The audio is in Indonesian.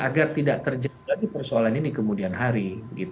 agar tidak terjadi lagi persoalan ini kemudian hari